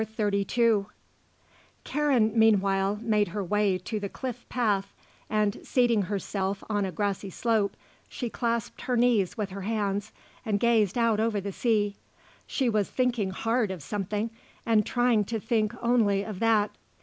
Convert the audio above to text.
CHAPTER XXXII Karen meanwhile made her way to the cliff path and, seating herself on a grassy slope, she clasped her knees with her hands and gazed out over the sea. She was thinking hard of something, and trying to think only of that.